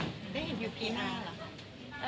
ได้เห็นอยู่ปีหน้าเหรอ